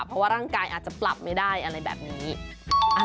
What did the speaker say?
เพราะว่าร่างกายอาจจะปรับไม่ได้อะไรแบบนี้